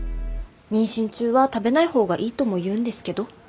妊娠中は食べない方がいいとも言うんですけど。